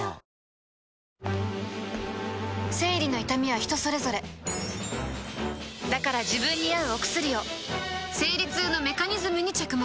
生理の痛みは人それぞれだから自分に合うお薬を生理痛のメカニズムに着目